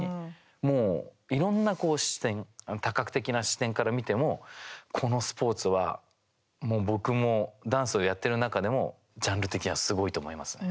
もう、いろんな視点多角的な視点から見てもこのスポーツは僕もダンスをやっている中でもジャンル的にはすごいと思いますね。